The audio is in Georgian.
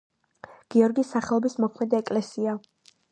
გიორგის სახელობის მოქმედი ეკლესია.